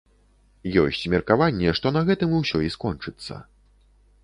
Ёсць меркаванне, што на гэтым усё і скончыцца.